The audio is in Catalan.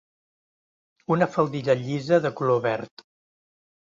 Una faldilla llisa de color verd.